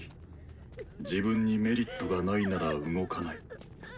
自分にメリットがないなら動かない。